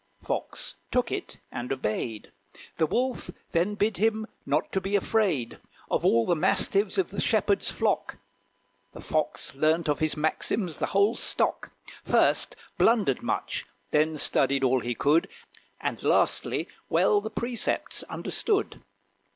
Fox took it, and obeyed. The Wolf then bid him not to be afraid Of all the mastiffs of the shepherds flock: The Fox learnt of his maxims the whole stock, First blundered much, then studied all he could, And, lastly, well the precepts understood.